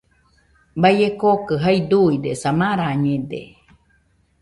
Baie kookɨ jae duidesa, marañede